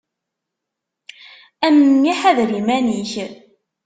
A memmi ḥader iman-ik.